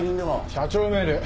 社長命令。